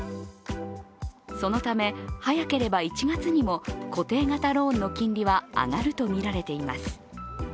そのため、早ければ１月にも固定型ローンの金利は上がるとみられています。